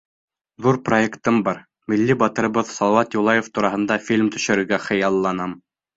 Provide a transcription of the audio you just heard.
Ҙур проектым бар — милли батырыбыҙ Салауат Юлаев тураһында фильм төшөрөргә хыялланам.